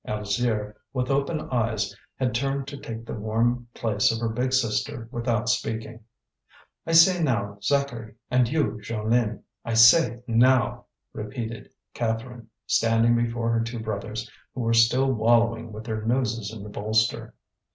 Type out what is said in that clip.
Alzire, with open eyes, had turned to take the warm place of her big sister without speaking. "I say, now, Zacharie and you, Jeanlin; I say, now!" repeated Catherine, standing before her two brothers, who were still wallowing with their noses in the bolster.